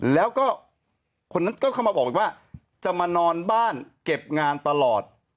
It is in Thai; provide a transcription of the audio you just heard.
แล้วก็คนนั้นก็เข้ามาบอกอีกว่าจะมานอนบ้านเก็บงานตลอด